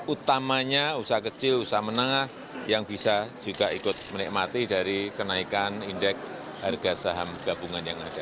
utamanya usaha kecil usaha menengah yang bisa juga ikut menikmati dari kenaikan indeks harga saham gabungan yang ada